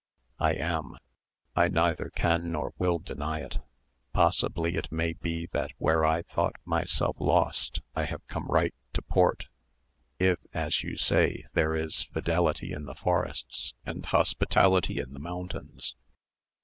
"I am: I neither can nor will deny it. Possibly it may be that where I thought myself lost I have come right to port, if, as you say, there is fidelity in the forests, and hospitality in the mountains."